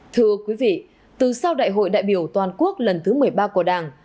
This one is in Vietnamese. thưa quý vị từ sau đại hội đại biểu toàn quốc lần thứ một mươi ba của đảng